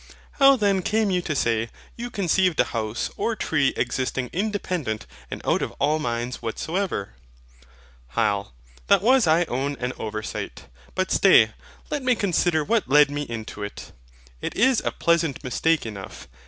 How then came you to say, you conceived a house or tree existing independent and out of all minds whatsoever? HYL. That was I own an oversight; but stay, let me consider what led me into it. It is a pleasant mistake enough.